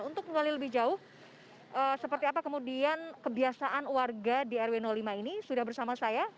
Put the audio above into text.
untuk kembali lebih jauh seperti apa kemudian kebiasaan warga di rw lima ini sudah bersama saya